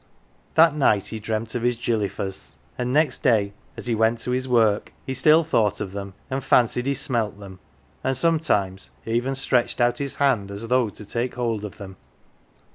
That night he dreamt of his gilly f ers, and next day as he went to his work he still thought of them, and fancied he smelt them, and sometimes even stretched out his hand as though to take hold of them.